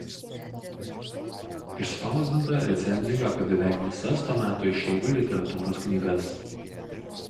Išspausdinta recenzijų apie beveik visas to meto išeivių literatūros knygas.